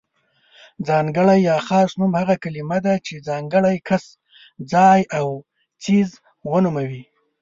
ځانګړی يا خاص نوم هغه کلمه ده چې ځانګړی کس، ځای او څیز ونوموي.